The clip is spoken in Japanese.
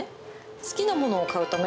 好きなものを買うため？